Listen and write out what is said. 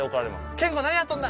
「賢吾何やっとんだ！」